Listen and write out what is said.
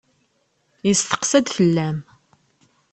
Yesteqsa-d fell-am.